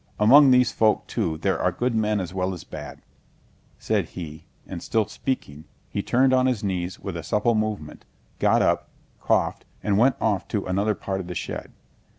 Among these folk, too, there are good men as well as bad," said he, and still speaking, he turned on his knees with a supple movement, got up, coughed, and went off to another part of the shed.